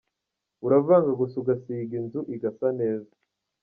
Uravanga gusa ugasiga inzu igasa neza".